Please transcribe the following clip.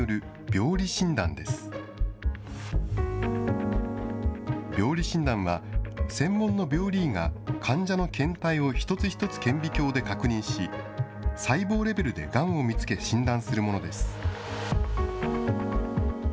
病理診断は、専門の病理医が患者の検体を一つ一つ顕微鏡で確認し、細胞レベルでがんを見つけ診断するものです。